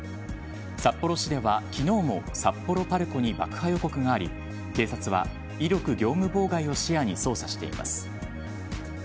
札幌市では、昨日も札幌ＰＡＲＣＯに爆破予告があり警察は威力業務妨害を視野に捜査しています。